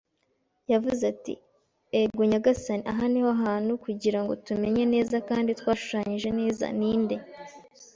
Yavuze ati: “Ego, nyagasani, aha ni ho hantu, kugira ngo tumenye neza, kandi twashushanyije neza. Ninde